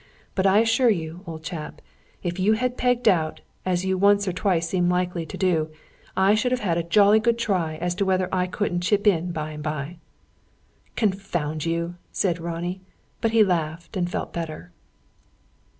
But I assure you, old chap, if you had pegged out, as you once or twice seemed likely to do, I should have had a jolly good try as to whether I couldn't chip in, by and by." "Confound you!" said Ronnie. But he laughed, and felt better.